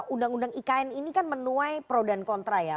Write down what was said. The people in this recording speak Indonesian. undang undang ikn ini kan menuai pro dan kontra ya